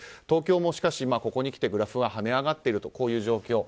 東京も、しかしここにきて、グラフは跳ね上がっているという状況。